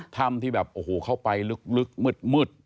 ถ้ำที่แบบโอ้โหเข้าไปลึกมืด